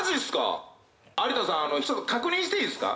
有田さん、確認していいっすか？